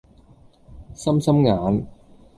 心心眼